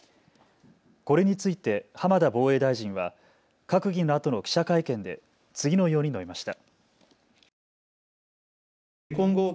これについて浜田防衛大臣は閣議のあとの記者会見で次のように述べました。